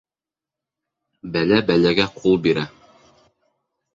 Бәлә бәләгә ҡул бирә.